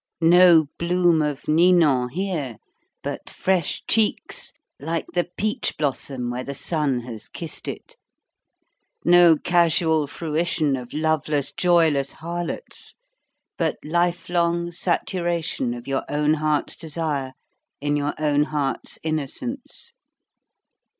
No Bloom of Ninon here, but fresh cheeks like the peach blossom where the sun has kissed it: no casual fruition of loveless, joyless harlots, but life long saturation of your own heart's desire in your own heart's innocence.